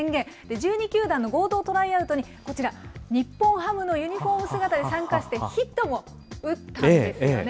１２球団の合同トライアウトにこちら、日本ハムのユニホーム姿で参加して、ヒットも打ったんですよね。